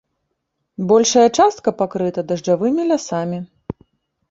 Большая частка пакрыта дажджавымі лясамі.